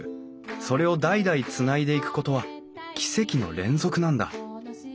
それを代々つないでいくことは奇跡の連続なんだ。